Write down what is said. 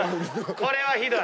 これもひどい。